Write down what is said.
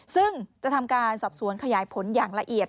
ซึ่งจะทำการสอบสวนขยายผลอย่างละเอียด